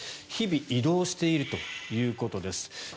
日々、移動しているということです。